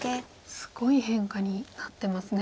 すごい変化になってますね。